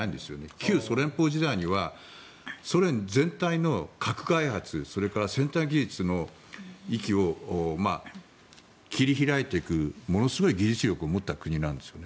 旧ソ連邦自体にはソ連全体の核開発それから先端技術の域を切り開いていくものすごい技術力を持った国なんですよね。